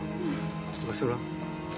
ちょっと貸してごらん。